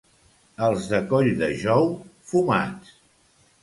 Els de Colldejou, fumats.